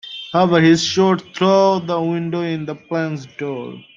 However, he is shot through the window in the plane's door.